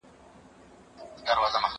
دا کار بشپړ کړه!